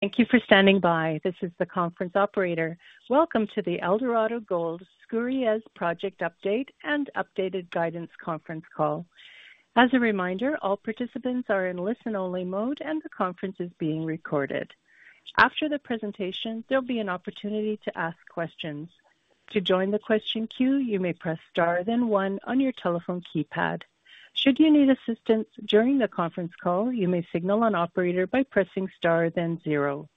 Thank you for standing by. This is the conference operator. Welcome to the Eldorado Gold Skouries Project Update and Updated Guidance Conference Call. As a reminder, all participants are in listen-only mode, and the conference is being recorded. After the presentation, there'll be an opportunity to ask questions. To join the question queue, you may press star, then one on your telephone keypad. Should you need assistance during the conference call, you may signal an operator by pressing star, then zero.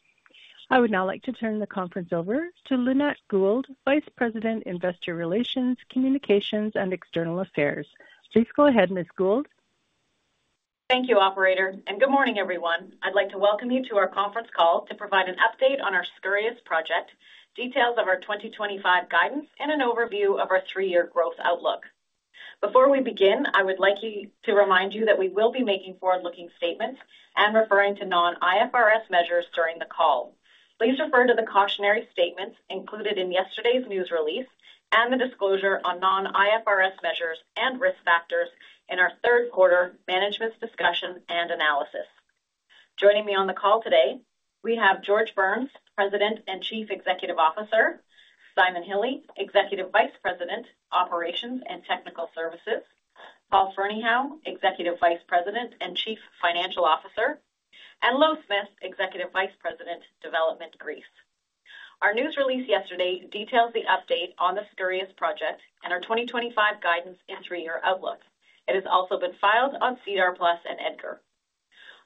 I would now like to turn the conference over to Lynette Gould, Vice President, Investor Relations, Communications, and External Affairs. Please go ahead, Ms. Gould. Thank you, Operator, and good morning, everyone. I'd like to welcome you to our conference call to provide an update on our Skouries project, details of our 2025 guidance, and an overview of our three-year growth outlook. Before we begin, I would like to remind you that we will be making forward-looking statements and referring to non-IFRS measures during the call. Please refer to the cautionary statements included in yesterday's news release and the disclosure on non-IFRS measures and risk factors in our third quarter management's discussion and analysis. Joining me on the call today, we have George Burns, President and Chief Executive Officer, Simon Hille, Executive Vice President, Operations and Technical Services, Paul Ferneyhough, Executive Vice President and Chief Financial Officer, and Louw Smith, Executive Vice President, Development Greece. Our news release yesterday details the update on the Skouries project and our 2025 guidance and three-year outlook. It has also been filed on SEDAR+ and EDGAR.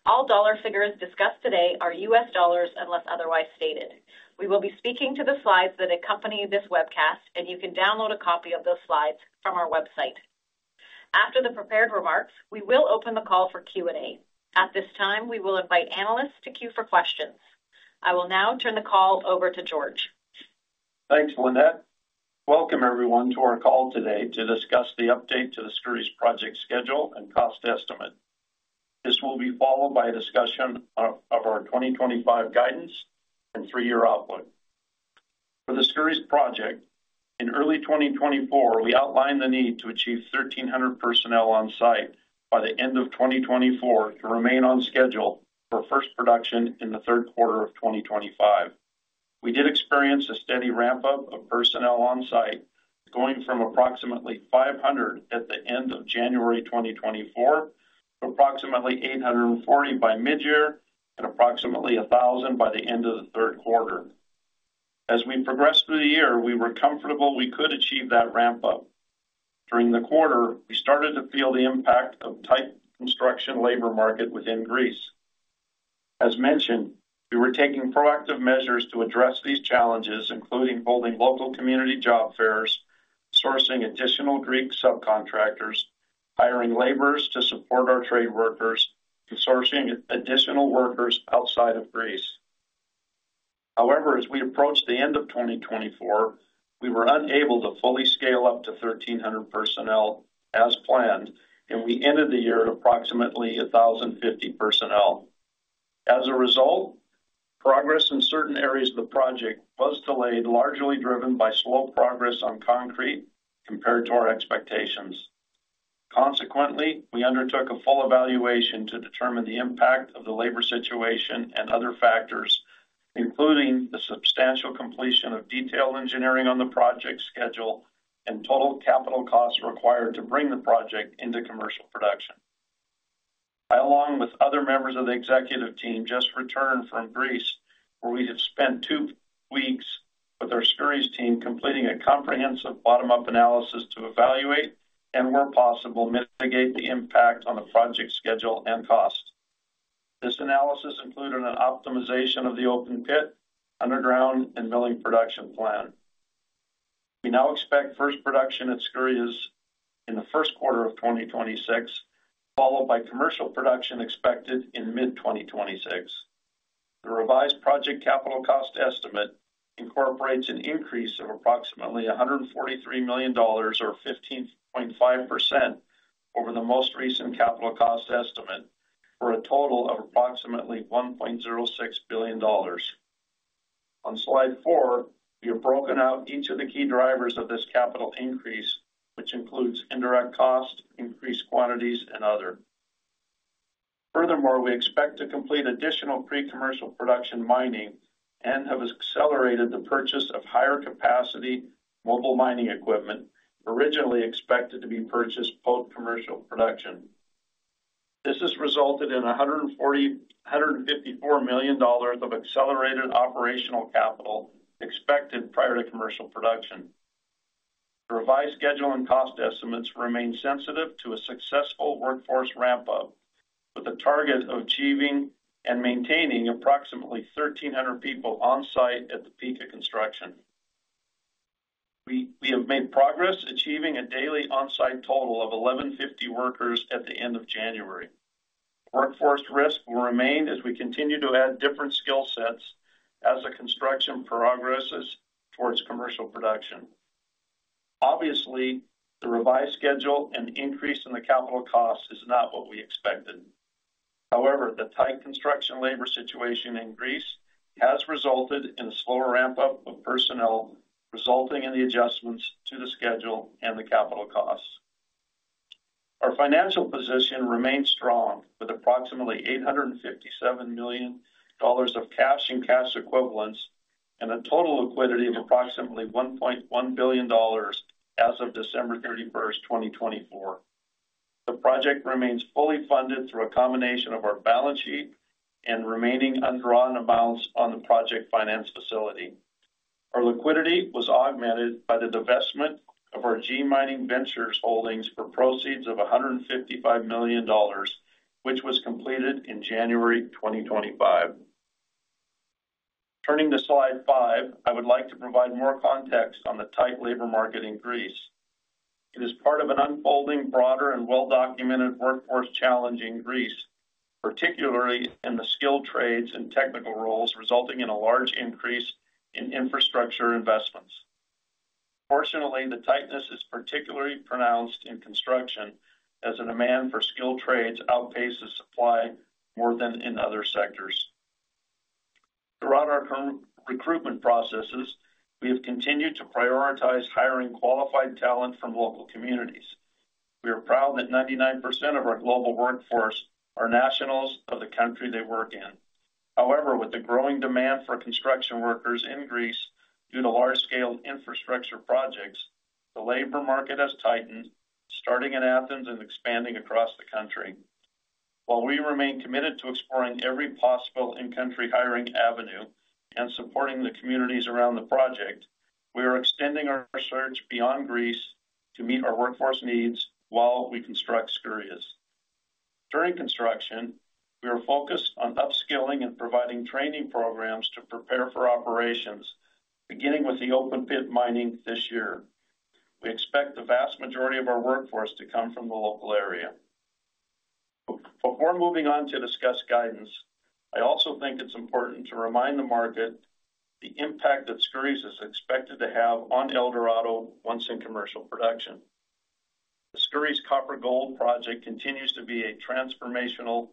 All dollar figures discussed today are U.S. dollars unless otherwise stated. We will be speaking to the slides that accompany this webcast, and you can download a copy of those slides from our website. After the prepared remarks, we will open the call for Q&A. At this time, we will invite analysts to queue for questions. I will now turn the call over to George. Thanks, Lynette. Welcome, everyone, to our call today to discuss the update to the Skouries Project schedule and cost estimate. This will be followed by a discussion of our 2025 guidance and three-year outlook. For the Skouries Project, in early 2024, we outlined the need to achieve 1,300 personnel on site by the end of 2024 to remain on schedule for first production in the third quarter of 2025. We did experience a steady ramp-up of personnel on site, going from approximately 500 at the end of January 2024 to approximately 840 by midyear and approximately 1,000 by the end of the third quarter. As we progressed through the year, we were comfortable we could achieve that ramp-up. During the quarter, we started to feel the impact of the tight construction labor market within Greece. As mentioned, we were taking proactive measures to address these challenges, including holding local community job fairs, sourcing additional Greek subcontractors, hiring laborers to support our trade workers, and sourcing additional workers outside of Greece. However, as we approached the end of 2024, we were unable to fully scale up to 1,300 personnel as planned, and we ended the year at approximately 1,050 personnel. As a result, progress in certain areas of the project was delayed, largely driven by slow progress on concrete compared to our expectations. Consequently, we undertook a full evaluation to determine the impact of the labor situation and other factors, including the substantial completion of detailed engineering on the project schedule and total capital costs required to bring the project into commercial production. I, along with other members of the executive team, just returned from Greece, where we have spent two weeks with our Skouries team completing a comprehensive bottom-up analysis to evaluate and, where possible, mitigate the impact on the project schedule and cost. This analysis included an optimization of the open pit, underground, and milling production plan. We now expect first production at Skouries in the first quarter of 2026, followed by commercial production expected in mid-2026. The revised project capital cost estimate incorporates an increase of approximately $143 million, or 15.5%, over the most recent capital cost estimate for a total of approximately $1.06 billion. On slide four, we have broken out each of the key drivers of this capital increase, which includes indirect cost, increased quantities, and other. Furthermore, we expect to complete additional pre-commercial production mining and have accelerated the purchase of higher capacity mobile mining equipment originally expected to be purchased post-commercial production. This has resulted in $154 million of accelerated operational capital expected prior to commercial production. The revised schedule and cost estimates remain sensitive to a successful workforce ramp-up, with a target of achieving and maintaining approximately 1,300 people on site at the peak of construction. We have made progress, achieving a daily on-site total of 1,150 workers at the end of January. Workforce risk will remain as we continue to add different skill sets as construction progresses towards commercial production. Obviously, the revised schedule and increase in the capital cost is not what we expected. However, the tight construction labor situation in Greece has resulted in a slower ramp-up of personnel, resulting in the adjustments to the schedule and the capital costs. Our financial position remains strong, with approximately $857 million of cash and cash equivalents and a total liquidity of approximately $1.1 billion as of December 31st, 2024. The project remains fully funded through a combination of our balance sheet and remaining undrawn amounts on the project finance facility. Our liquidity was augmented by the divestment of our G Mining Ventures holdings for proceeds of $155 million, which was completed in January 2025. Turning to slide five, I would like to provide more context on the tight labor market in Greece. It is part of an unfolding broader and well-documented workforce challenge in Greece, particularly in the skilled trades and technical roles, resulting in a large increase in infrastructure investments. Fortunately, the tightness is particularly pronounced in construction, as the demand for skilled trades outpaces supply more than in other sectors. Throughout our recruitment processes, we have continued to prioritize hiring qualified talent from local communities. We are proud that 99% of our global workforce are nationals of the country they work in. However, with the growing demand for construction workers in Greece due to large-scale infrastructure projects, the labor market has tightened, starting in Athens and expanding across the country. While we remain committed to exploring every possible in-country hiring avenue and supporting the communities around the project, we are extending our search beyond Greece to meet our workforce needs while we construct Skouries. During construction, we are focused on upskilling and providing training programs to prepare for operations, beginning with the open pit mining this year. We expect the vast majority of our workforce to come from the local area. Before moving on to discuss guidance, I also think it's important to remind the market the impact that Skouries is expected to have on Eldorado once in commercial production. The Skouries Copper-Gold Project continues to be a transformational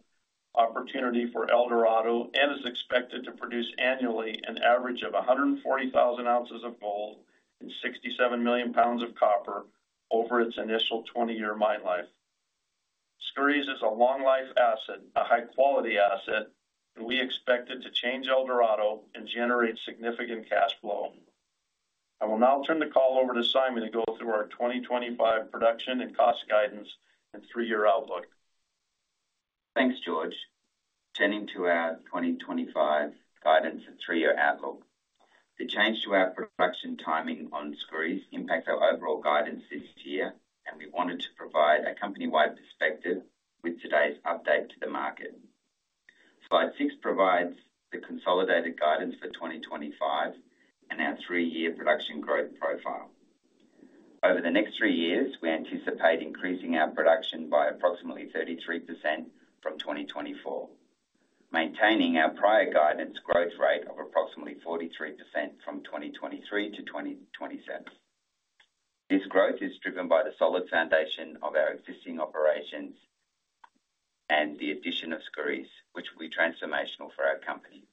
opportunity for Eldorado and is expected to produce annually an average of 140,000 ounces of gold and 67 million pounds of copper over its initial 20-year mine life. Skouries is a long-life asset, a high-quality asset, and we expect it to change Eldorado and generate significant cash flow. I will now turn the call over to Simon to go through our 2025 production and cost guidance and three-year outlook. Thanks, George. Turning to our 2025 guidance and three-year outlook, the change to our production timing on Skouries impacts our overall guidance this year, and we wanted to provide a company-wide perspective with today's update to the market. Slide six provides the consolidated guidance for 2025 and our three-year production growth profile. Over the next three years, we anticipate increasing our production by approximately 33% from 2024, maintaining our prior guidance growth rate of approximately 43% from 2023 to 2027. This growth is driven by the solid foundation of our existing operations and the addition of Skouries, which will be transformational for our company.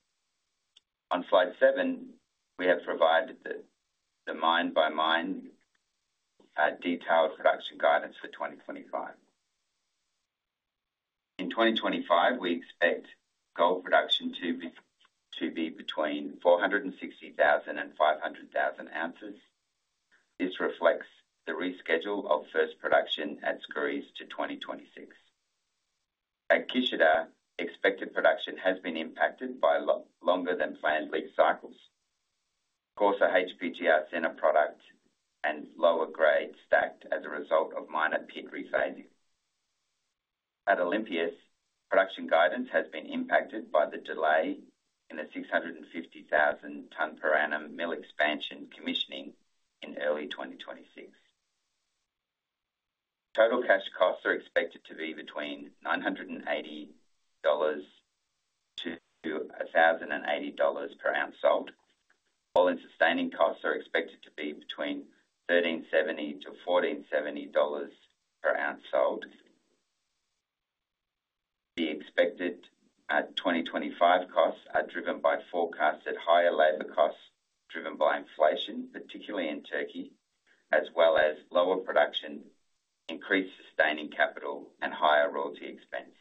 On slide seven, we have provided the mine-by-mine detailed production guidance for 2025. In 2025, we expect gold production to be between 460,000 and 500,000 ounces. This reflects the reschedule of first production at Skouries to 2026. At Kisladag, expected production has been impacted by longer-than-planned leach cycles, coarser HPGR center product, and lower grade stacked as a result of minor pit resizing. At Olympias, production guidance has been impacted by the delay in the 650,000-ton-per-annum mill expansion commissioning in early 2026. Total cash costs are expected to be between $980-$1,080 per ounce sold, while sustaining costs are expected to be between $1,370-$1,470 per ounce sold. The expected 2025 costs are driven by forecasts that higher labor costs driven by inflation, particularly in Turkey, as well as lower production, increased sustaining capital, and higher royalty expense,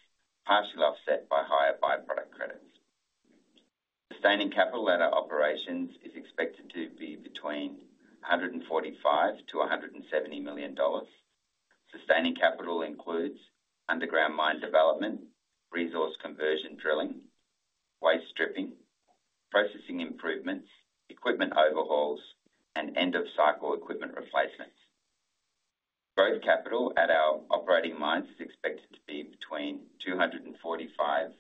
partially offset by higher byproduct credits. Sustaining capital at our operations is expected to be between $145-$170 million. Sustaining capital includes underground mine development, resource conversion drilling, waste stripping, processing improvements, equipment overhauls, and end-of-cycle equipment replacements. Growth capital at our operating mines is expected to be between $245 million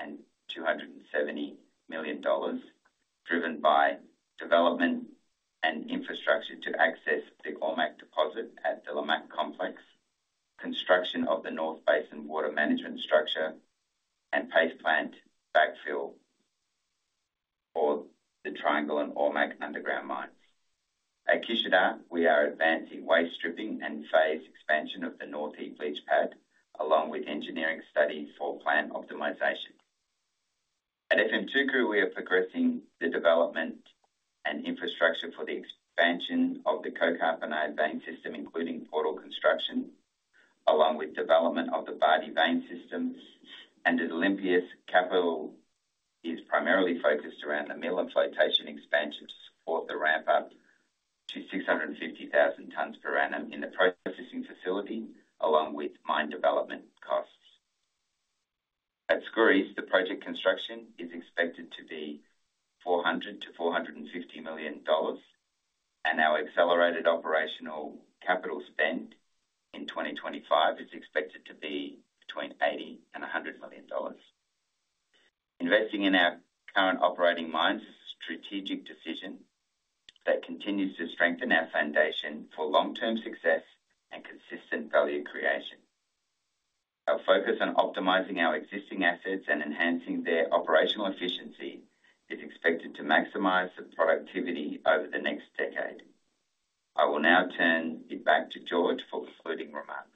and $270 million, driven by development and infrastructure to access the Ormaque deposit at the Lamaque complex, construction of the North Basin water management structure, and paste plant backfill for the Triangle and Ormaque underground mines. At Kisladag, we are advancing waste stripping and phase expansion of the North Heap Leach pad, along with engineering studies for plant optimization. At Efemçukuru, we are progressing the development and infrastructure for the expansion of the Kokarpinar vein system, including portal construction, along with development of the Bati vein system. At Olympias, capital is primarily focused around the mill and flotation expansion to support the ramp-up to 650,000 tons per annum in the processing facility, along with mine development costs. At Skouries, the project construction is expected to be $400 million-$450 million, and our accelerated operational capital spent in 2025 is expected to be between $80 million and $100 million. Investing in our current operating mines is a strategic decision that continues to strengthen our foundation for long-term success and consistent value creation. Our focus on optimizing our existing assets and enhancing their operational efficiency is expected to maximize the productivity over the next decade. I will now turn it back to George for concluding remarks.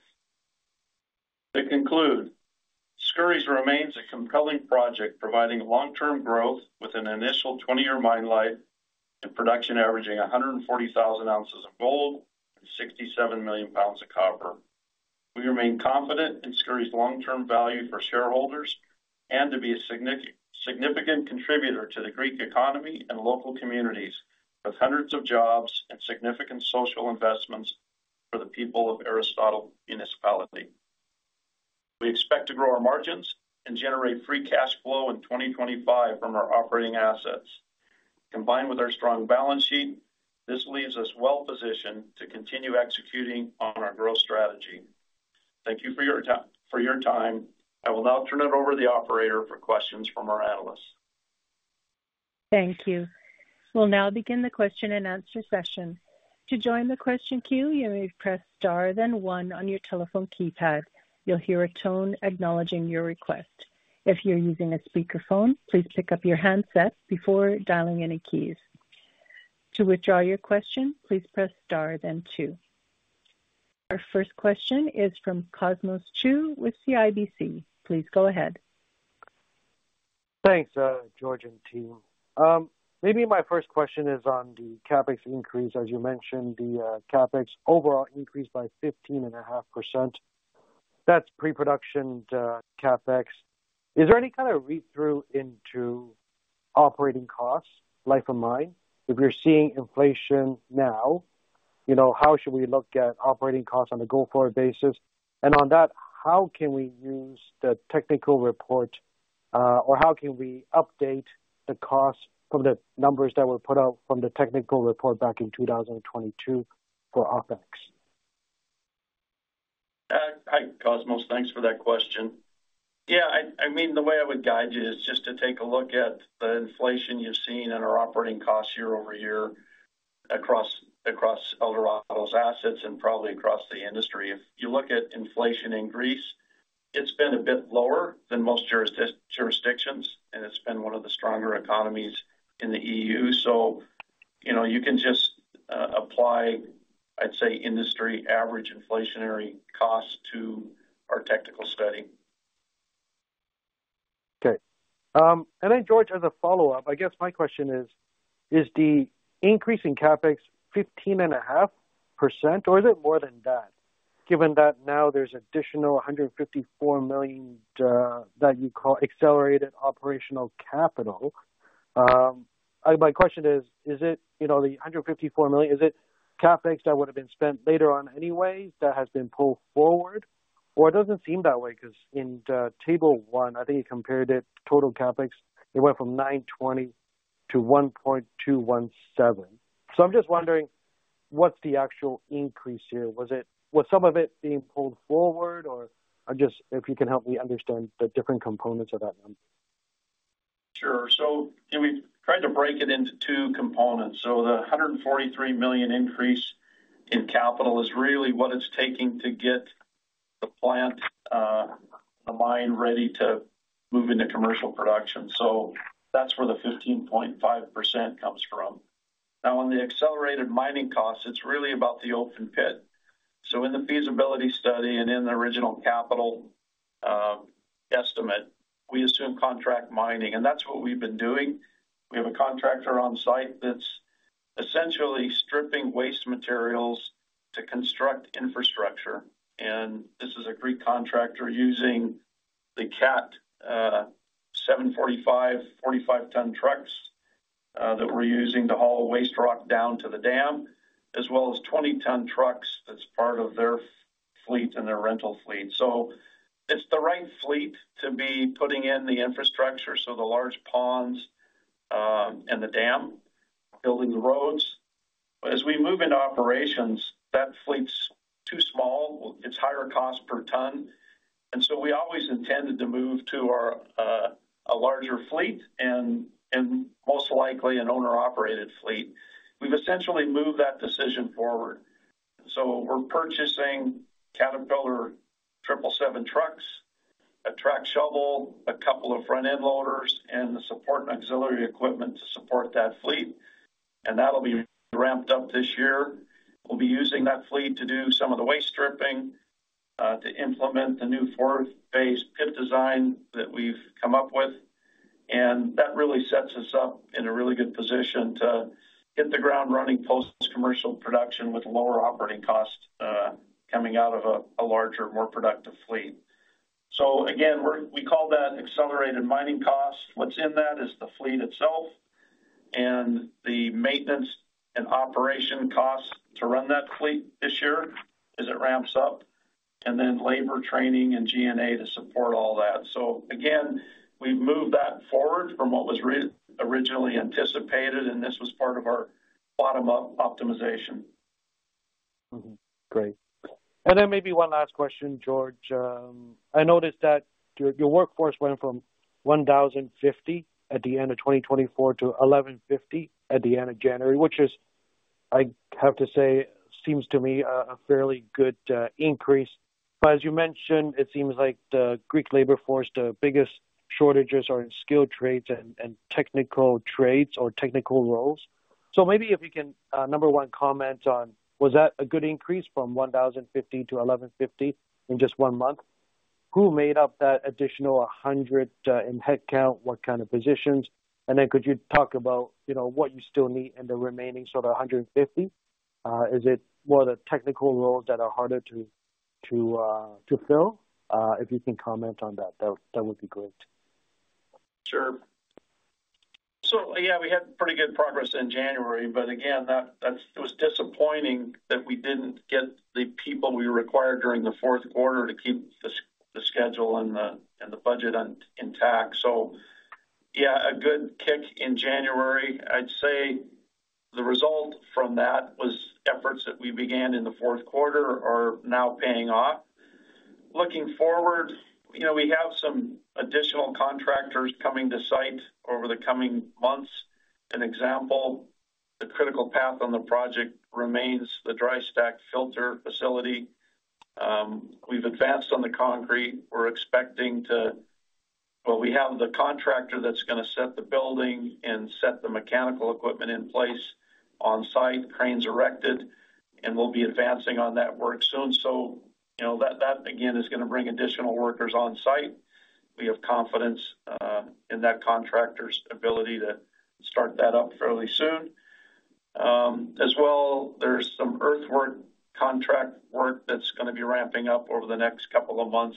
To conclude, Skouries remains a compelling project, providing long-term growth with an initial 20-year mine life and production averaging 140,000 ounces of gold and 67 million pounds of copper. We remain confident in Skouries' long-term value for shareholders and to be a significant contributor to the Greek economy and local communities, with hundreds of jobs and significant social investments for the people of Aristotle Municipality. We expect to grow our margins and generate free cash flow in 2025 from our operating assets. Combined with our strong balance sheet, this leaves us well-positioned to continue executing on our growth strategy. Thank you for your time. I will now turn it over to the operator for questions from our analysts. Thank you. We'll now begin the question-and-answer session. To join the question queue, you may press star then one on your telephone keypad. You'll hear a tone acknowledging your request. If you're using a speakerphone, please pick up your handset before dialing any keys. To withdraw your question, please press star then two. Our first question is from Cosmos Chiu with CIBC. Please go ahead. Thanks, George and team. Maybe my first question is on the CapEx increase. As you mentioned, the CapEx overall increased by 15.5%. That's pre-production CapEx. Is there any kind of read-through into operating costs, life of mine? If you're seeing inflation now, how should we look at operating costs on a go-forward basis? And on that, how can we use the technical report, or how can we update the cost from the numbers that were put out from the technical report back in 2022 for OpEx? Hi, Cosmos. Thanks for that question. Yeah, I mean, the way I would guide you is just to take a look at the inflation you've seen in our operating costs year over year across Eldorado's assets and probably across the industry. If you look at inflation in Greece, it's been a bit lower than most jurisdictions, and it's been one of the stronger economies in the EU. So you can just apply, I'd say, industry average inflationary costs to our technical study. Okay. And then, George, as a follow-up, I guess my question is, is the increase in CapEx 15.5%, or is it more than that, given that now there's additional $154 million that you call accelerated operational capital? My question is, is it the $154 million? Is it CapEx that would have been spent later on anyways that has been pulled forward? Or it doesn't seem that way because in table one, I think you compared it, total CapEx, it went from $920 million to $1.217 billion. So I'm just wondering, what's the actual increase here? Was some of it being pulled forward, or just if you can help me understand the different components of that number? Sure. So we tried to break it into two components. So the $143 million increase in capital is really what it's taking to get the plant, the mine ready to move into commercial production. So that's where the 15.5% comes from. Now, on the accelerated mining costs, it's really about the open pit. So in the feasibility study and in the original capital estimate, we assume contract mining, and that's what we've been doing. We have a contractor on site that's essentially stripping waste materials to construct infrastructure. And this is a Greek contractor using the Cat 745, 45-ton trucks that we're using to haul waste rock down to the dam, as well as 20-ton trucks that's part of their fleet and their rental fleet. So it's the right fleet to be putting in the infrastructure, so the large ponds and the dam, building the roads. As we move into operations, that fleet's too small. It's higher cost per ton. We always intended to move to a larger fleet and most likely an owner-operated fleet. We've essentially moved that decision forward. We're purchasing Caterpillar 777 trucks, a track shovel, a couple of front-end loaders, and the support and auxiliary equipment to support that fleet. That'll be ramped up this year. We'll be using that fleet to do some of the waste stripping, to implement the new four-phase pit design that we've come up with. That really sets us up in a really good position to hit the ground running post-commercial production with lower operating costs coming out of a larger, more productive fleet. We call that accelerated mining cost. What's in that is the fleet itself and the maintenance and operation costs to run that fleet this year as it ramps up, and then labor training and G&A to support all that. So again, we've moved that forward from what was originally anticipated, and this was part of our bottom-up optimization. Great. And then maybe one last question, George. I noticed that your workforce went from 1,050 at the end of 2024 to 1,150 at the end of January, which is, I have to say, seems to me a fairly good increase. But as you mentioned, it seems like the Greek labor force, the biggest shortages are in skilled trades and technical trades or technical roles. So maybe if you can, number one, comment on, was that a good increase from 1,050 to 1,150 in just one month? Who made up that additional 100 in headcount? What kind of positions? And then could you talk about what you still need in the remaining sort of 150? Is it more the technical roles that are harder to fill? If you can comment on that, that would be great. Sure. So yeah, we had pretty good progress in January, but again, it was disappointing that we didn't get the people we required during the fourth quarter to keep the schedule and the budget intact. So yeah, a good kick in January. I'd say the result from that was efforts that we began in the fourth quarter are now paying off. Looking forward, we have some additional contractors coming to site over the coming months. An example, the critical path on the project remains the dry stack filter facility. We've advanced on the concrete. We're expecting to, well, we have the contractor that's going to set the building and set the mechanical equipment in place on site, cranes erected, and we'll be advancing on that work soon. So that, again, is going to bring additional workers on site. We have confidence in that contractor's ability to start that up fairly soon. As well, there's some earthwork contract work that's going to be ramping up over the next couple of months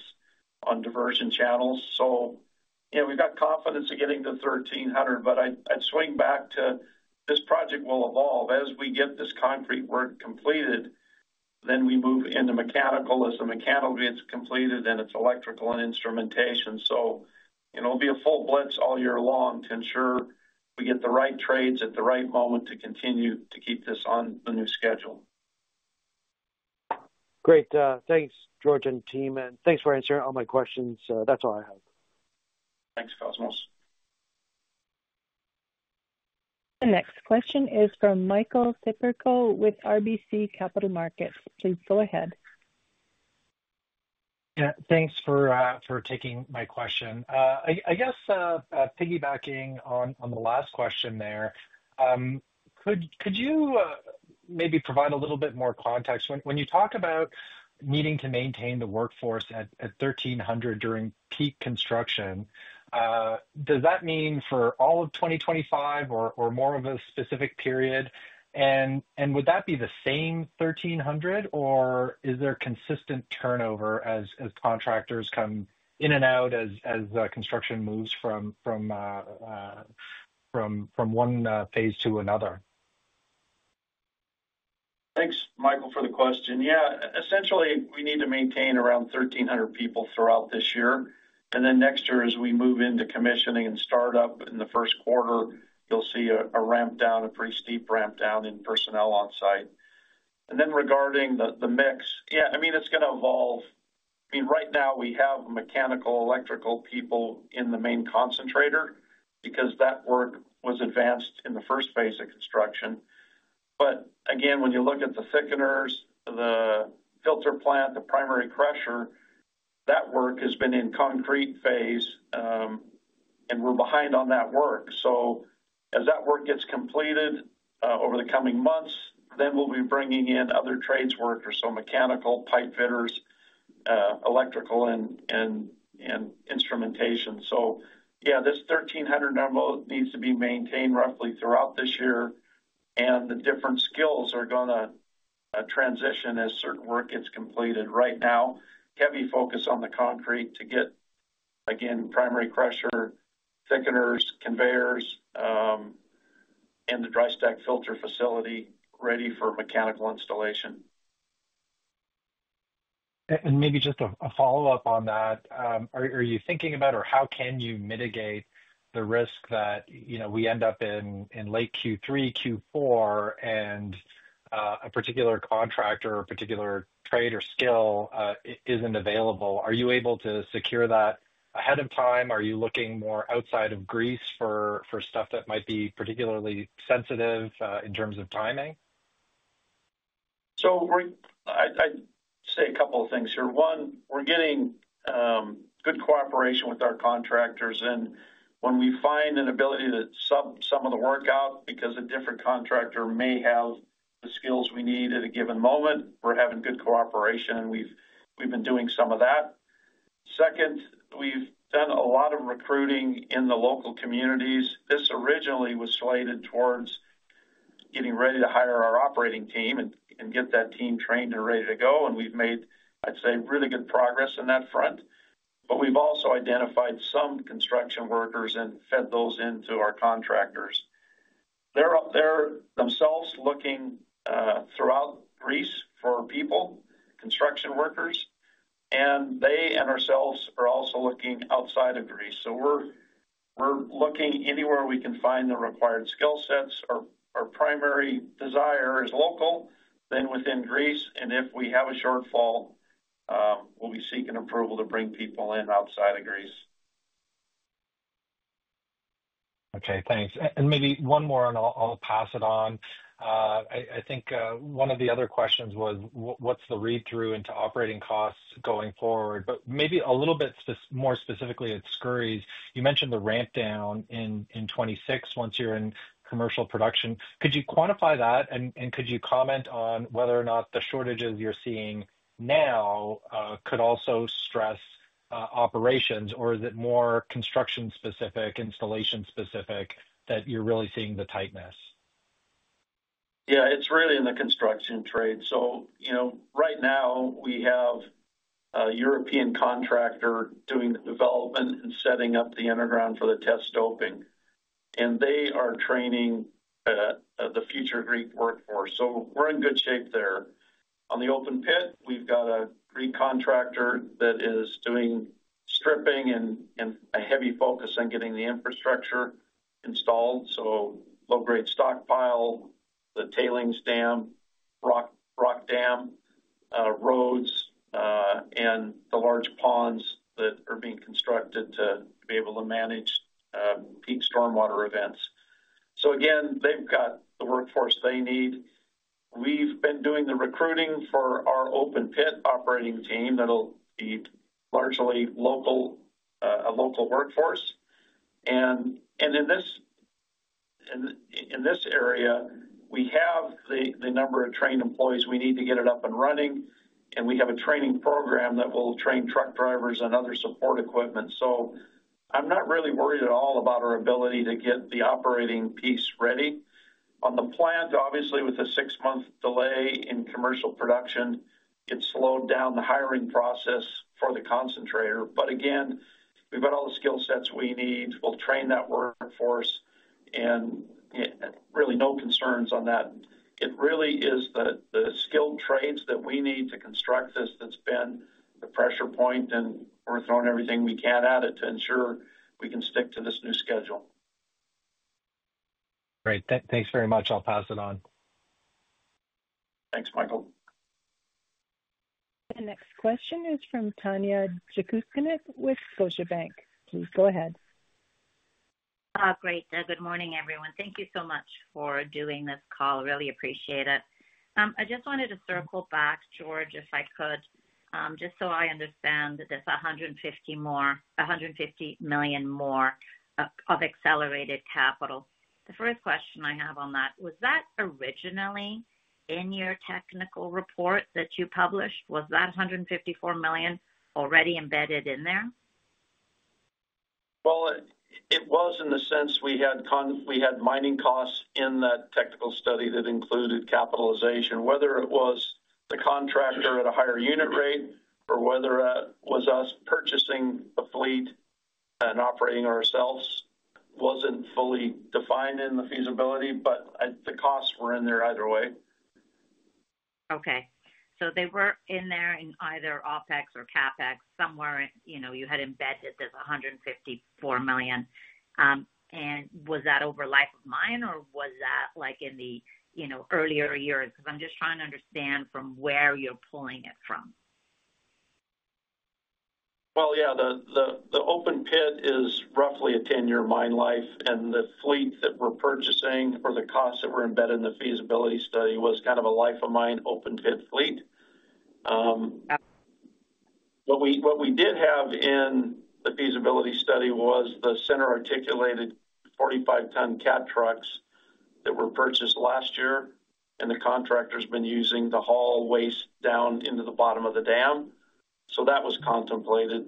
on diversion channels. So we've got confidence of getting to 1,300, but I'd swing back to this project will evolve. As we get this concrete work completed, then we move into mechanical. As the mechanical gets completed, then it's electrical and instrumentation. So it'll be a full blitz all year long to ensure we get the right trades at the right moment to continue to keep this on the new schedule. Great. Thanks, George and team, and thanks for answering all my questions. That's all I have. Thanks, Cosmos. The next question is from Michael Siperco with RBC Capital Markets. Please go ahead. Yeah, thanks for taking my question. I guess piggybacking on the last question there, could you maybe provide a little bit more context? When you talk about needing to maintain the workforce at 1,300 during peak construction, does that mean for all of 2025 or more of a specific period? And would that be the same 1,300, or is there consistent turnover as contractors come in and out as construction moves from one phase to another? Thanks, Michael, for the question. Yeah, essentially, we need to maintain around 1,300 people throughout this year, and then next year, as we move into commissioning and startup in the first quarter, you'll see a ramp down, a pretty steep ramp down in personnel on site, and then regarding the mix, yeah, I mean, it's going to evolve. I mean, right now, we have mechanical, electrical people in the main concentrator because that work was advanced in the first phase of construction, but again, when you look at the thickeners, the filter plant, the primary crusher, that work has been in concrete phase, and we're behind on that work. So as that work gets completed over the coming months, then we'll be bringing in other trades work, so mechanical, pipe fitters, electrical, and instrumentation. Yeah, this 1,300 number needs to be maintained roughly throughout this year, and the different skills are going to transition as certain work gets completed. Right now, heavy focus on the concrete to get, again, primary crusher, thickeners, conveyors, and the dry stack filter facility ready for mechanical installation. Maybe just a follow-up on that. Are you thinking about, or how can you mitigate the risk that we end up in late Q3, Q4, and a particular contractor or a particular trade or skill isn't available? Are you able to secure that ahead of time? Are you looking more outside of Greece for stuff that might be particularly sensitive in terms of timing? So I'd say a couple of things here. One, we're getting good cooperation with our contractors. And when we find an ability to sub some of the work out because a different contractor may have the skills we need at a given moment, we're having good cooperation, and we've been doing some of that. Second, we've done a lot of recruiting in the local communities. This originally was slated towards getting ready to hire our operating team and get that team trained and ready to go. And we've made, I'd say, really good progress in that front. But we've also identified some construction workers and fed those into our contractors. They're themselves looking throughout Greece for people, construction workers. And they and ourselves are also looking outside of Greece. So we're looking anywhere we can find the required skill sets. Our primary desire is local, then within Greece. If we have a shortfall, we'll be seeking approval to bring people in outside of Greece. Okay. Thanks. And maybe one more, and I'll pass it on. I think one of the other questions was, what's the read-through into operating costs going forward? But maybe a little bit more specifically at Skouries, you mentioned the ramp down in 2026 once you're in commercial production. Could you quantify that, and could you comment on whether or not the shortages you're seeing now could also stress operations, or is it more construction-specific, installation-specific that you're really seeing the tightness? Yeah, it's really in the construction phase. Right now, we have a European contractor doing the development and setting up the underground for the test stoping. And they are training the future Greek workforce. We're in good shape there. On the open pit, we've got a Greek contractor that is doing stripping and a heavy focus on getting the infrastructure installed: low-grade stockpile, the tailings dam, rock dam, roads, and the large ponds that are being constructed to be able to manage peak stormwater events. Again, they've got the workforce they need. We've been doing the recruiting for our open pit operating team that'll be largely a local workforce. And in this area, we have the number of trained employees we need to get it up and running. And we have a training program that will train truck drivers and other support equipment. So I'm not really worried at all about our ability to get the operating piece ready. On the plant, obviously, with the six-month delay in commercial production, it slowed down the hiring process for the concentrator. But again, we've got all the skill sets we need. We'll train that workforce. And really, no concerns on that. It really is the skilled trades that we need to construct this that's been the pressure point. And we're throwing everything we can at it to ensure we can stick to this new schedule. Great. Thanks very much. I'll pass it on. Thanks, Michael. The next question is from Tanya Jakusconek with Scotiabank. Please go ahead. Great. Good morning, everyone. Thank you so much for doing this call. Really appreciate it. I just wanted to circle back, George, if I could, just so I understand that there's $150 million more of accelerated capital. The first question I have on that, was that originally in your technical report that you published? Was that $154 million already embedded in there? It was in the sense we had mining costs in that technical study that included capitalization, whether it was the contractor at a higher unit rate or whether it was us purchasing the fleet and operating ourselves wasn't fully defined in the feasibility, but the costs were in there either way. Okay, so they were in there in either OpEx or CapEx. Somewhere, you had embedded this $154 million. And was that over life of mine, or was that in the earlier years? Because I'm just trying to understand from where you're pulling it from. Yeah, the open pit is roughly a 10-year mine life. The fleet that we're purchasing or the costs that were embedded in the feasibility study was kind of a life-of-mine open pit fleet. What we did have in the feasibility study was the center-articulated 45-ton Cat trucks that were purchased last year, and the contractor's been using the haul waste down into the bottom of the dam. That was contemplated.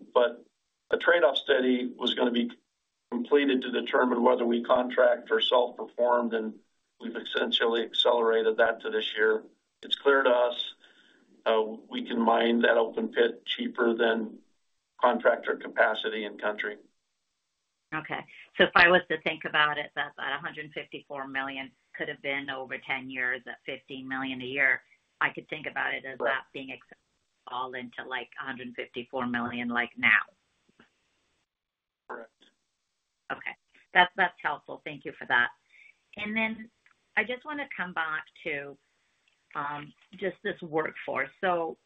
A trade-off study was going to be completed to determine whether we contract or self-performed, and we've essentially accelerated that to this year. It's clear to us we can mine that open pit cheaper than contractor capacity in country. Okay. So if I was to think about it, that 154 million could have been over 10 years at 15 million a year. I could think about it as that being all into 154 million now. Correct. Okay. That's helpful. Thank you for that. And then I just want to come back to just this workforce. So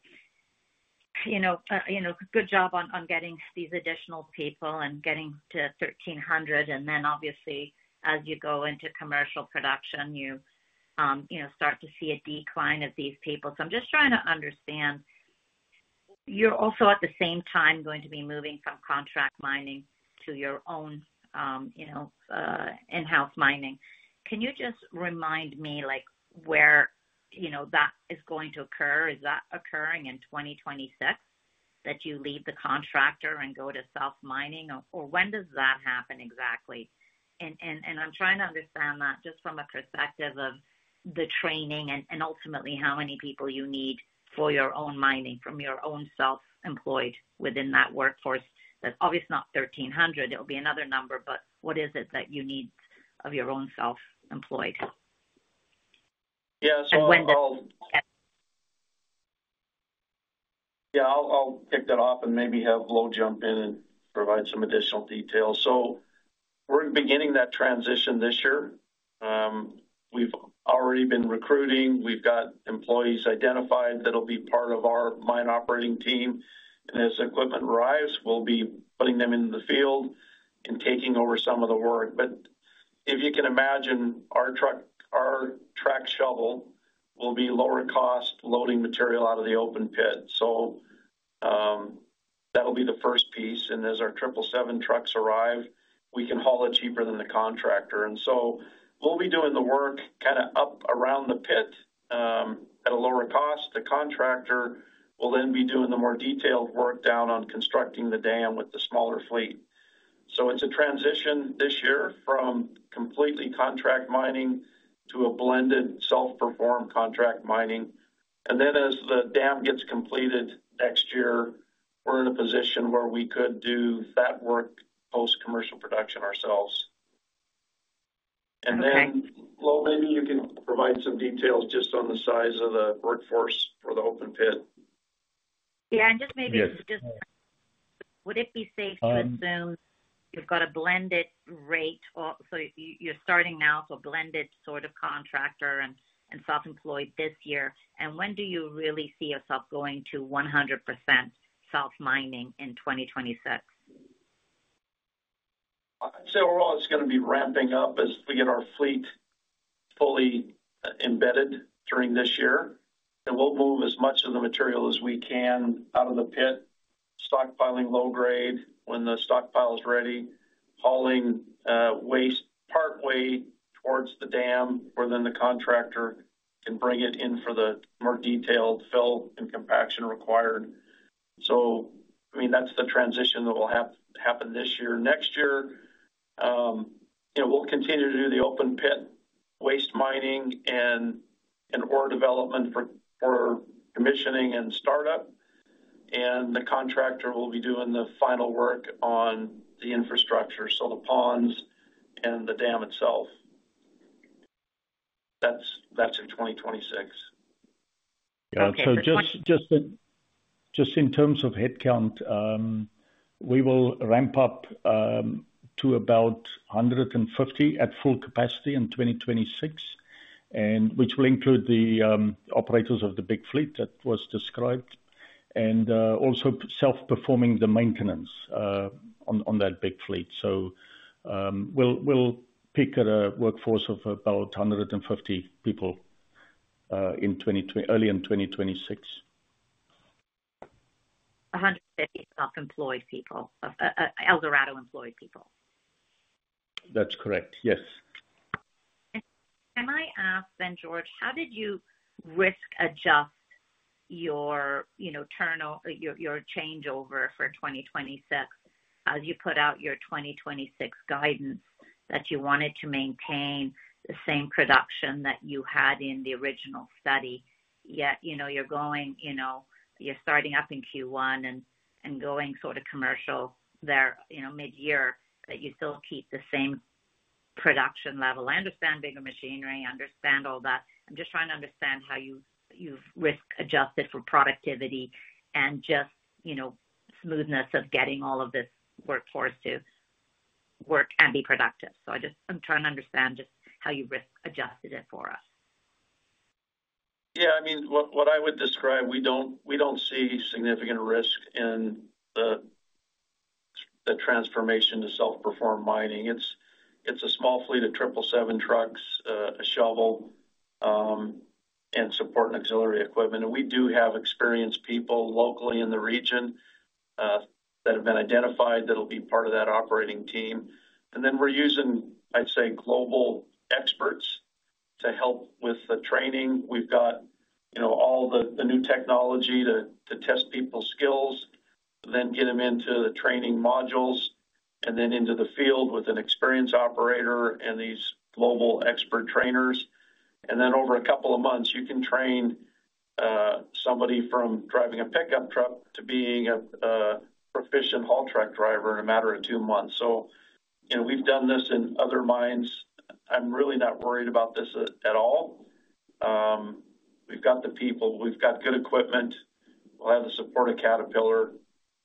good job on getting these additional people and getting to 1,300. And then, obviously, as you go into commercial production, you start to see a decline of these people. So I'm just trying to understand. You're also, at the same time, going to be moving from contract mining to your own in-house mining. Can you just remind me where that is going to occur? Is that occurring in 2026 that you leave the contractor and go to self-mining, or when does that happen exactly? And I'm trying to understand that just from a perspective of the training and ultimately how many people you need for your own mining from your own self-employed within that workforce. That's obviously not 1,300. It'll be another number, but what is it that you need of your own self-employed? Yeah. So I'll pick that off and maybe have Louw jump in and provide some additional details. We're beginning that transition this year. We've already been recruiting. We've got employees identified that'll be part of our mine operating team. As equipment arrives, we'll be putting them into the field and taking over some of the work. If you can imagine, our track shovel will be lower-cost loading material out of the open pit. That'll be the first piece. As our triple seven trucks arrive, we can haul it cheaper than the contractor. We'll be doing the work kind of up around the pit at a lower cost. The contractor will then be doing the more detailed work down on constructing the dam with the smaller fleet. It's a transition this year from completely contract mining to a blended self-perform contract mining. Then as the dam gets completed next year, we're in a position where we could do that work post-commercial production ourselves. Then, Louw, maybe you can provide some details just on the size of the workforce for the open pit. Would it be safe to assume you've got a blended rate? So you're starting now for blended sort of contractor and self-mining this year. And when do you really see yourself going to 100% self-mining in 2026? So we're all just going to be ramping up as we get our fleet fully embedded during this year. And we'll move as much of the material as we can out of the pit, stockpiling low-grade when the stockpile is ready, hauling waste partway towards the dam where then the contractor can bring it in for the more detailed fill and compaction required. So I mean, that's the transition that will happen this year. Next year, we'll continue to do the open pit waste mining and ore development for commissioning and startup. And the contractor will be doing the final work on the infrastructure, so the ponds and the dam itself. That's in 2026. Yeah. So just in terms of headcount, we will ramp up to about 150 at full capacity in 2026, which will include the operators of the big fleet that was described and also self-performing the maintenance on that big fleet. So we'll build a workforce of about 150 people early in 2026. 150 self-employed people, Eldorado-employed people. That's correct. Yes. Can I ask then, George, how did you risk adjust your changeover for 2026 as you put out your 2026 guidance that you wanted to maintain the same production that you had in the original study? Yet you're going, you're starting up in Q1 and going sort of commercial there mid-year, that you still keep the same production level. I understand bigger machinery. I understand all that. I'm just trying to understand how you've risk-adjusted for productivity and just smoothness of getting all of this workforce to work and be productive. I'm trying to understand just how you risk-adjusted it for us. Yeah. I mean, what I would describe, we don't see significant risk in the transformation to self-perform mining. It's a small fleet of triple seven trucks, a shovel, and support and auxiliary equipment. And we do have experienced people locally in the region that have been identified that'll be part of that operating team. And then we're using, I'd say, global experts to help with the training. We've got all the new technology to test people's skills, then get them into the training modules, and then into the field with an experienced operator and these global expert trainers. And then over a couple of months, you can train somebody from driving a pickup truck to being a proficient haul truck driver in a matter of two months. So we've done this in other mines. I'm really not worried about this at all. We've got the people. We've got good equipment. We'll have the support of Caterpillar.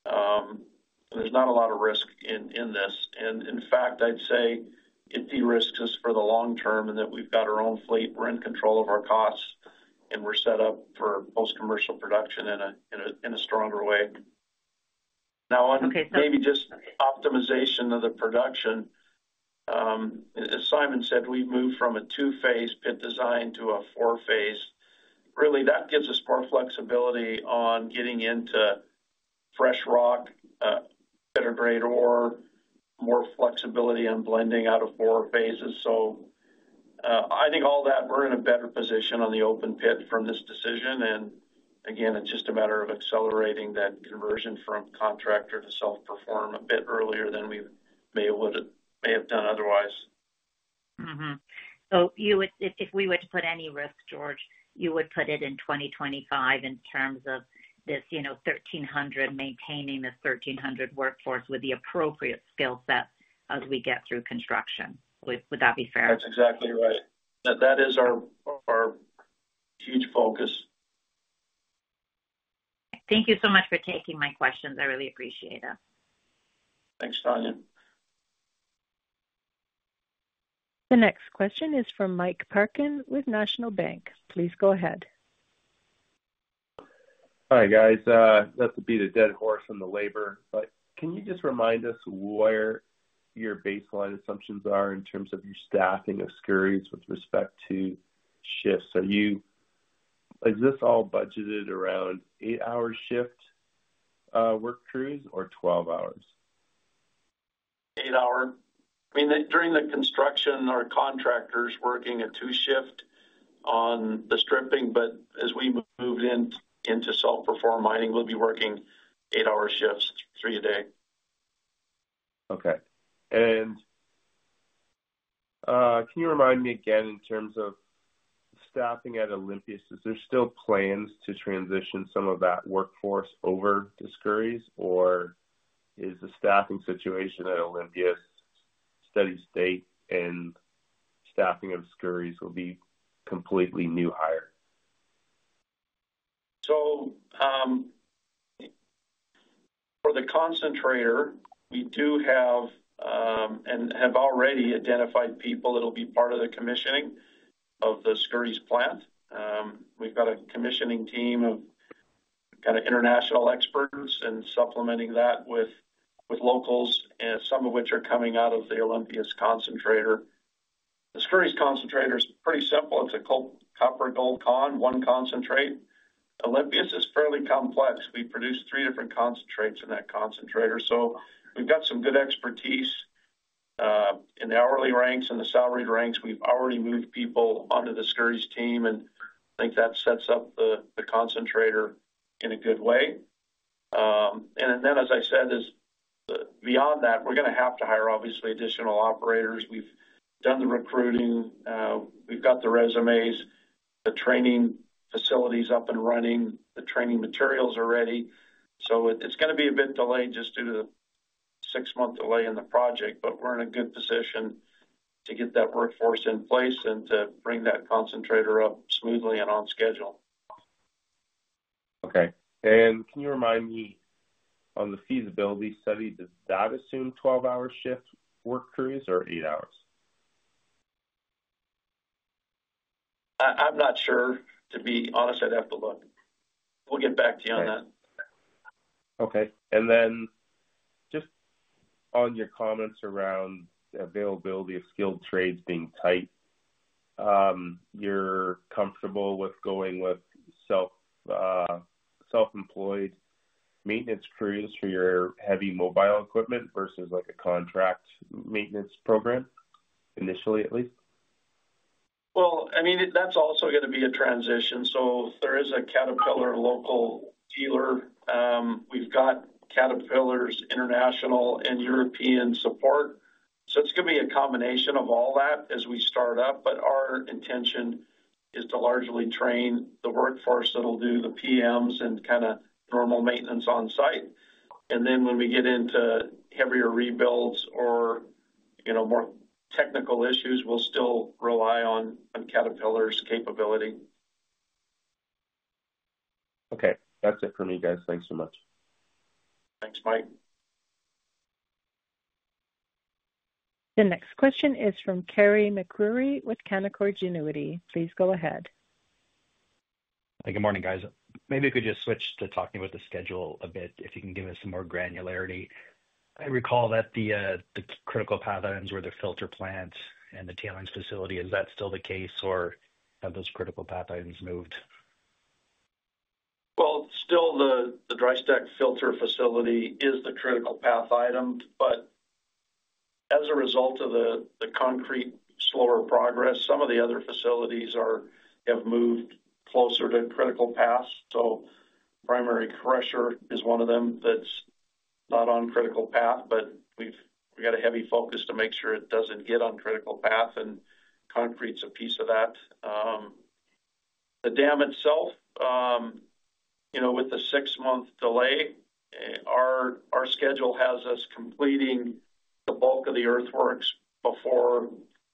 There's not a lot of risk in this, and in fact, I'd say it de-risks us for the long term in that we've got our own fleet. We're in control of our costs, and we're set up for post-commercial production in a stronger way. Now, maybe just optimization of the production. As Simon said, we've moved from a two-phase pit design to a four-phase. Really, that gives us more flexibility on getting into fresh rock, better-grade ore, more flexibility on blending out of four phases, so I think all that, we're in a better position on the open pit from this decision, and again, it's just a matter of accelerating that conversion from contractor to self-perform a bit earlier than we may have done otherwise. So if we were to put any risk, George, you would put it in 2025 in terms of this 1,300, maintaining the 1,300 workforce with the appropriate skill set as we get through construction. Would that be fair? That's exactly right. That is our huge focus. Thank you so much for taking my questions. I really appreciate it. Thanks, Tanya. The next question is from Mike Parkin with National Bank. Please go ahead. Hi, guys. That's beating a dead horse in the labor. But can you just remind us where your baseline assumptions are in terms of your staffing of Skouries with respect to shifts? Is this all budgeted around eight-hour shift work crews or 12 hours? Eight-hour. I mean, during the construction, our contractor's working a two-shift on the stripping. But as we move into self-perform mining, we'll be working eight-hour shifts, three a day. Okay. And can you remind me again in terms of staffing at Olympias, is there still plans to transition some of that workforce over to Skouries, or is the staffing situation at Olympias steady state and staffing of Skouries will be completely new hire? So for the concentrator, we do have and have already identified people that'll be part of the commissioning of the Skouries plant. We've got a commissioning team of kind of international experts and supplementing that with locals, some of which are coming out of the Olympias concentrator. The Skouries concentrator is pretty simple. It's a copper-gold con, one concentrate. Olympias is fairly complex. We produce three different concentrates in that concentrator. So we've got some good expertise in the hourly ranks and the salaried ranks. We've already moved people onto the Skouries team, and I think that sets up the concentrator in a good way. And then, as I said, beyond that, we're going to have to hire, obviously, additional operators. We've done the recruiting. We've got the resumes, the training facilities up and running, the training materials are ready. So it's going to be a bit delayed just due to the six-month delay in the project, but we're in a good position to get that workforce in place and to bring that concentrator up smoothly and on schedule. Okay. And can you remind me on the feasibility study, does that assume 12-hour shift work crews or eight hours? I'm not sure. To be honest, I'd have to look. We'll get back to you on that. Okay, and then just on your comments around the availability of skilled trades being tight, you're comfortable with going with self-employed maintenance crews for your heavy mobile equipment versus a contract maintenance program, initially, at least? Well, I mean, that's also going to be a transition. So there is a Caterpillar local dealer. We've got Caterpillar's international and European support. So it's going to be a combination of all that as we start up. But our intention is to largely train the workforce that'll do the PMs and kind of normal maintenance on site. And then when we get into heavier rebuilds or more technical issues, we'll still rely on Caterpillar's capability. Okay. That's it for me, guys. Thanks so much. Thanks, Mike. The next question is from Carey MacRury with Canaccord Genuity. Please go ahead. Good morning, guys. Maybe we could just switch to talking about the schedule a bit if you can give us some more granularity. I recall that the critical path items were the filter plants and the tailings facility. Is that still the case, or have those critical path items moved? Still, the dry stack filter facility is the critical path item, but as a result of the concrete's slower progress, some of the other facilities have moved closer to critical path. The primary crusher is one of them that's not on critical path, but we've got a heavy focus to make sure it doesn't get on critical path. Concrete's a piece of that. The dam itself, with the six-month delay, our schedule has us completing the bulk of the earthworks before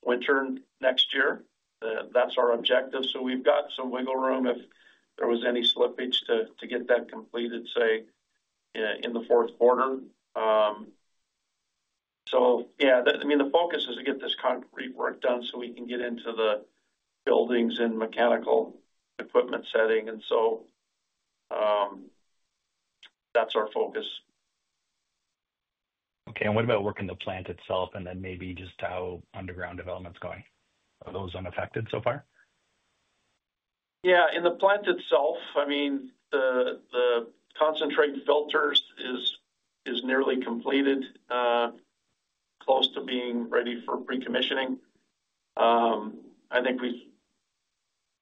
winter next year. That's our objective. We've got some wiggle room if there was any slippage to get that completed, say, in the fourth quarter. Yeah, I mean, the focus is to get this concrete work done so we can get into the buildings and mechanical equipment setting. That's our focus. Okay. And what about work in the plant itself and then maybe just how underground development's going? Are those unaffected so far? Yeah. In the plant itself, I mean, the concentrate filters is nearly completed, close to being ready for pre-commissioning. I think we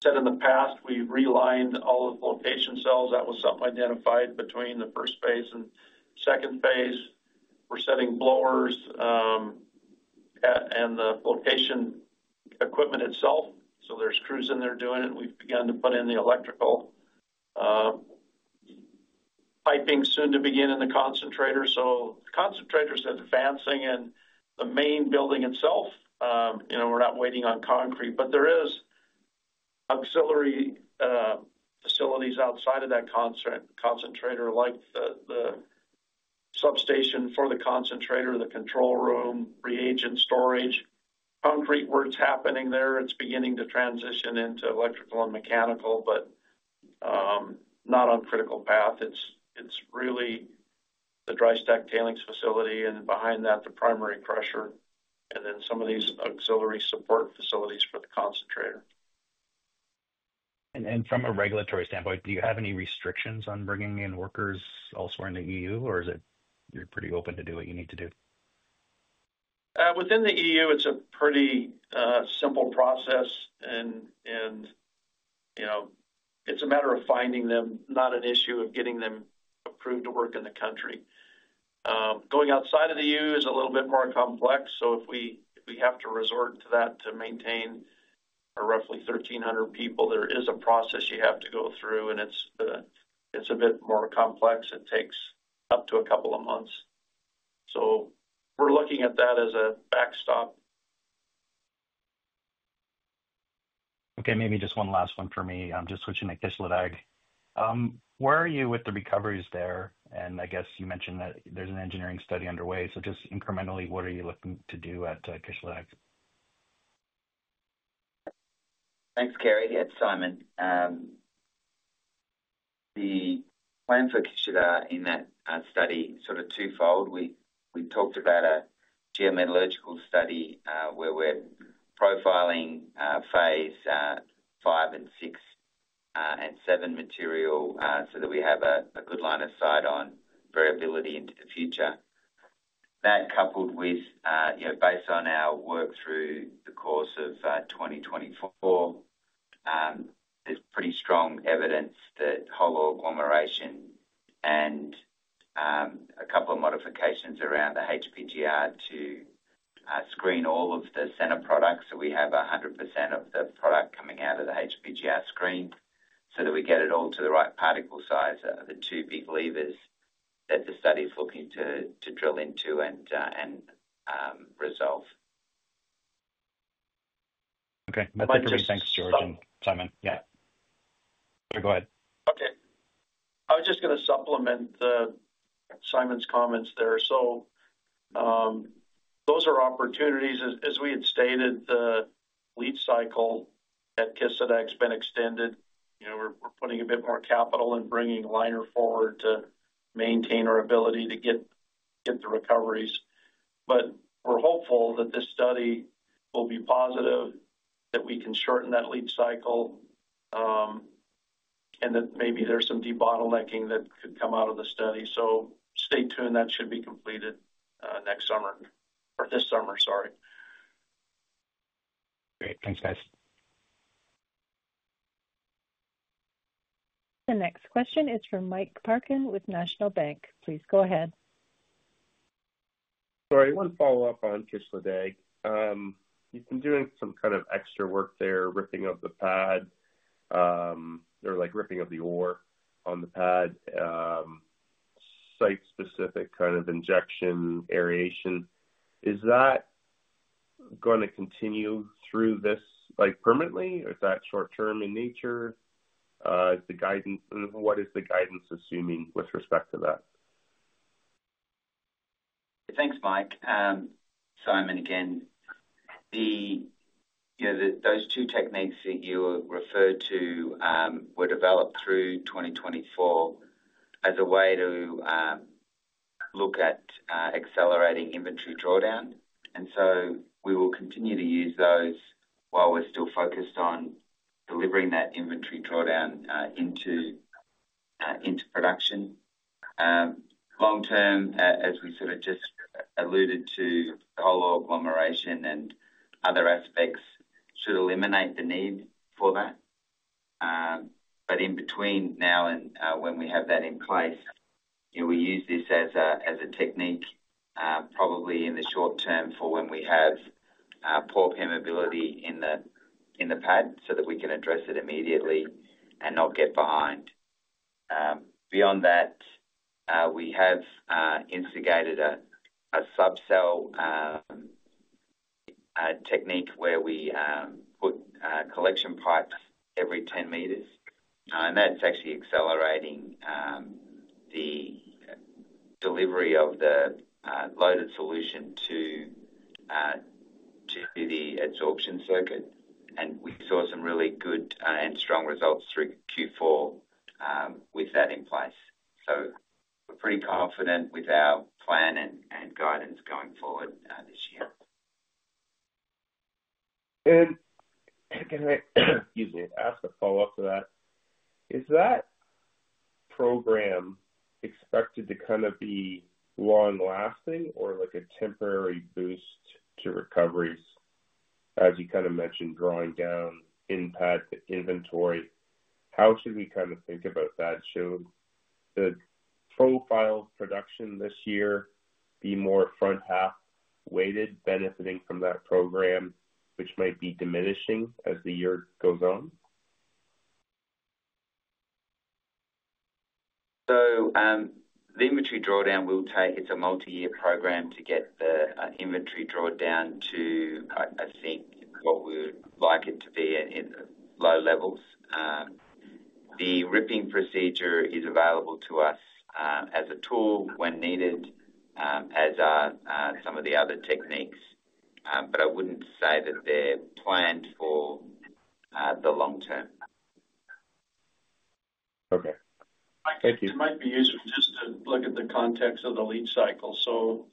said in the past, we've relined all of the flotation cells. That was something identified between the first phase and second phase. We're setting blowers and the flotation equipment itself. So there's crews in there doing it. And we've begun to put in the electrical piping soon to begin in the concentrator. So the concentrator's advancing in the main building itself. We're not waiting on concrete, but there are auxiliary facilities outside of that concentrator like the substation for the concentrator, the control room, reagent storage. Concrete work's happening there. It's beginning to transition into electrical and mechanical, but not on critical path. It's really the dry stack tailings facility and behind that, the primary crusher, and then some of these auxiliary support facilities for the concentrator. From a regulatory standpoint, do you have any restrictions on bringing in workers elsewhere in the EU, or is it you're pretty open to do what you need to do? Within the EU, it's a pretty simple process, and it's a matter of finding them, not an issue of getting them approved to work in the country. Going outside of the EU is a little bit more complex, so if we have to resort to that to maintain our roughly 1,300 people, there is a process you have to go through, and it's a bit more complex. It takes up to a couple of months, so we're looking at that as a backstop. Okay. Maybe just one last one for me. I'm just switching to Kisladag. Where are you with the recoveries there? And I guess you mentioned that there's an engineering study underway. So just incrementally, what are you looking to do at Kisladag? Thanks, Carey. It's Simon. The plan for Kisladag in that study is sort of twofold. We've talked about a geometallurgical study where we're profiling phase five and six and seven material so that we have a good line of sight on variability into the future. That coupled with, based on our work through the course of 2024, there's pretty strong evidence that Whole ore agglomeration and a couple of modifications around the HPGR to screen all of the coarse products so we have 100% of the product coming out of the HPGR screen so that we get it all to the right particle size of the two big levers that the study is looking to drill into and resolve. Okay. That's great. Thanks, George and Simon. Yeah. Go ahead. Okay. I was just going to supplement Simon's comments there. So those are opportunities. As we had stated, the leach cycle at Kisladag has been extended. We're putting a bit more capital and bringing a liner forward to maintain our ability to get the recoveries. But we're hopeful that this study will be positive, that we can shorten that leach cycle, and that maybe there's some debottlenecking that could come out of the study. So stay tuned. That should be completed next summer or this summer, sorry. Great. Thanks, guys. The next question is from Mike Parkin with National Bank. Please go ahead. Sorry, one follow-up on Kisladag. You've been doing some kind of extra work there, ripping of the pad or ripping of the ore on the pad, site-specific kind of injection aeration. Is that going to continue through this permanently, or is that short-term in nature? What is the guidance assuming with respect to that? Thanks, Mike. Simon again. Those two techniques that you referred to were developed through 2024 as a way to look at accelerating inventory drawdown. And so we will continue to use those while we're still focused on delivering that inventory drawdown into production. Long-term, as we sort of just alluded to, whole ore agglomeration and other aspects should eliminate the need for that. But in between now and when we have that in place, we use this as a technique probably in the short term for when we have poor permeability in the pad so that we can address it immediately and not get behind. Beyond that, we have instigated a sub-cell technique where we put collection pipes every 10 meters. And that's actually accelerating the delivery of the loaded solution to the adsorption circuit. And we saw some really good and strong results through Q4 with that in place. We're pretty confident with our plan and guidance going forward this year. I, excuse me, ask a follow-up to that. Is that program expected to kind of be long-lasting or a temporary boost to recoveries? As you kind of mentioned, drawing down in-pad to inventory. How should we kind of think about that? Should the profile production this year be more front-half weighted, benefiting from that program, which might be diminishing as the year goes on? The inventory drawdown will take. It's a multi-year program to get the inventory drawdown to, I think, what we would like it to be at low levels. The ripping procedure is available to us as a tool when needed, as are some of the other techniques. I wouldn't say that they're planned for the long term. Okay. Thank you. It might be useful just to look at the context of the leach cycle, so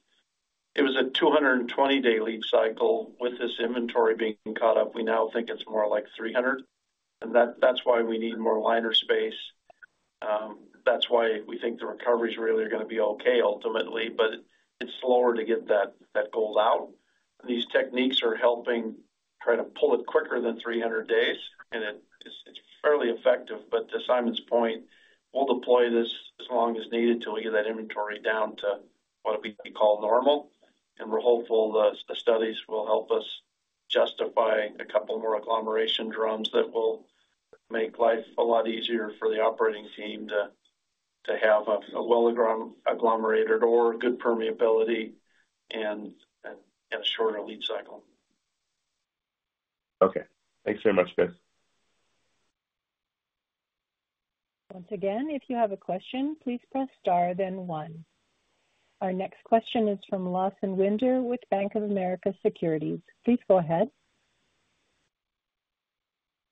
it was a 220-day leach cycle. With this inventory being caught up, we now think it's more like 300, and that's why we need more liner space. That's why we think the recoveries really are going to be okay ultimately, but it's slower to get that gold out. These techniques are helping try to pull it quicker than 300 days, and it's fairly effective, but to Simon's point, we'll deploy this as long as needed till we get that inventory down to what we call normal, and we're hopeful the studies will help us justify a couple more agglomeration drums that will make life a lot easier for the operating team to have a well-agglomerated or good permeability and a shorter leach cycle. Okay. Thanks very much, guys. Once again, if you have a question, please press star, then one. Our next question is from Lawson Winder with Bank of America Securities. Please go ahead.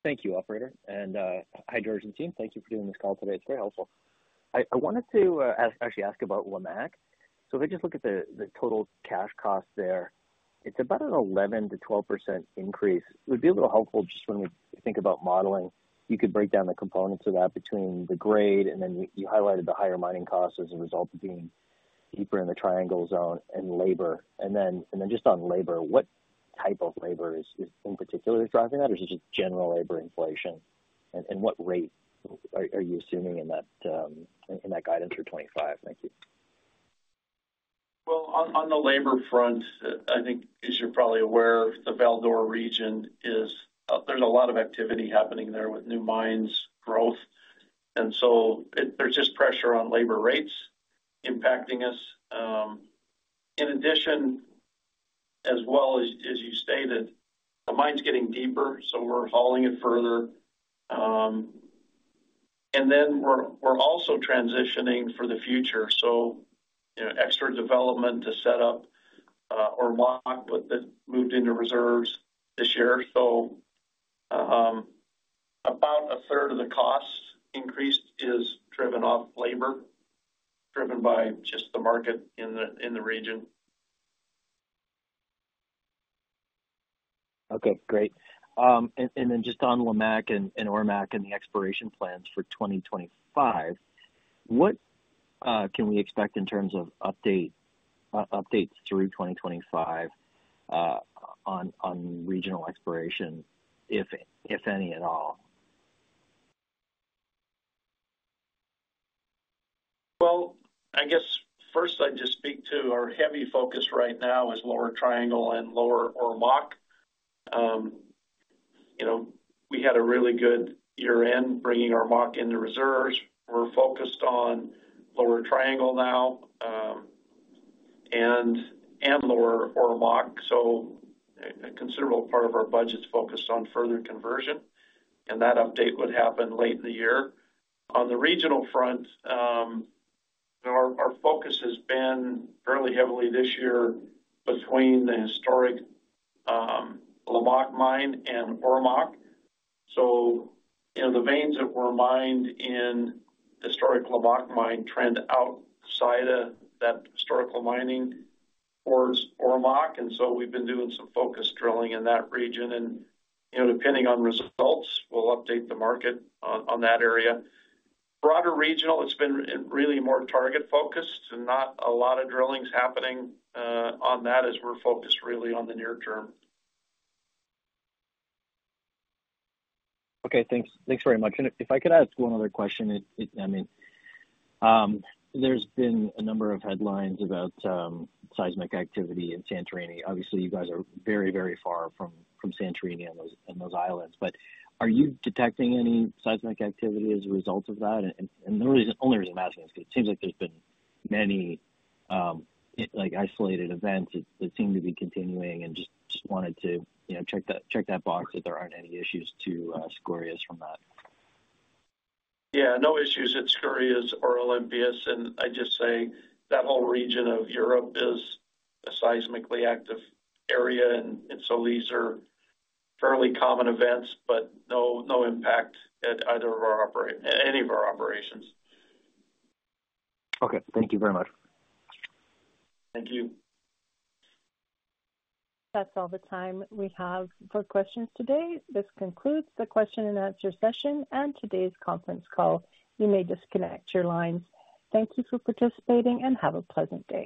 Thank you, Operator. And hi, George and team. Thank you for doing this call today. It's very helpful. I wanted to actually ask about Lamaque. So if I just look at the total cash cost there, it's about an 11%-12% increase. It would be a little helpful just when we think about modeling. You could break down the components of that between the grade, and then you highlighted the higher mining costs as a result of being deeper in the Triangle Zone and labor. And then just on labor, what type of labor is in particular driving that? Or is it just general labor inflation? And what rate are you assuming in that guidance for 2025? Thank you. On the labor front, I think, as you're probably aware, the Val-d'Or region, there's a lot of activity happening there with new mines growth. There's just pressure on labor rates impacting us. In addition, as well as you stated, the mine's getting deeper, so we're hauling it further. We're also transitioning for the future. Extra development to set up Ormaque, but that moved into reserves this year. About a third of the cost increase is driven by labor, driven by just the market in the region. Okay. Great. And then just on Lamaque and Ormaque and the exploration plans for 2025, what can we expect in terms of updates through 2025 on regional exploration, if any at all? I guess first, I'd just speak to our heavy focus right now is Lower Triangle and lower Ormaque. We had a really good year-end bringing our Ormaque into reserves. We're focused on Lower Triangle now and lower Ormaque. So a considerable part of our budget's focused on further conversion. And that update would happen late in the year. On the regional front, our focus has been fairly heavily this year between the historic Lamaque Mine and Ormaque. So the veins that were mined in historic Lamaque Mine trend outside of that historical mining towards Ormaque. And so we've been doing some focused drilling in that region. And depending on results, we'll update the market on that area. Broader regional, it's been really more target-focused and not a lot of drilling's happening on that as we're focused really on the near term. Okay. Thanks very much. If I could ask one other question, I mean, there's been a number of headlines about seismic activity in Santorini. Obviously, you guys are very, very far from Santorini and those islands, but are you detecting any seismic activity as a result of that? The only reason I'm asking is because it seems like there's been many isolated events that seem to be continuing. Just wanted to check that box that there aren't any issues to Skouries from that. Yeah. No issues at Skouries or Olympias. And I just say that whole region of Europe is a seismically active area. And so these are fairly common events, but no impact at either of our operations. Okay. Thank you very much. Thank you. That's all the time we have for questions today. This concludes the question-and-answer session and today's conference call. You may disconnect your lines. Thank you for participating and have a pleasant day.